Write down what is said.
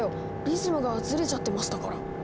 リズムがずれちゃってましたから。